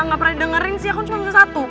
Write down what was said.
gak pernah dengerin sih aku cuma minta satu